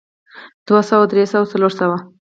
دوه سوه درې سوه څلور سوه